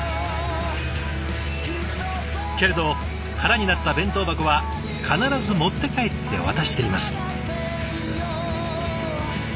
けれど空になった弁当箱は必ず持って帰って渡しています。